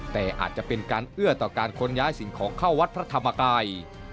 แต่อาจจะเป็นการเอื้อต่อการค้นย้ายสิ่งของเข้าวัดพระธรรมกาย